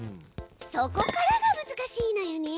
そこからが難しいのよね。